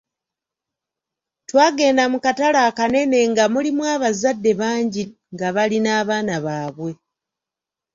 Twagenda mu katale akanene nga mulimu abazadde bangi nga bali n'abaana baabwe.